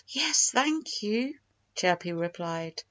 "Yes, thank you!" Chirpy replied.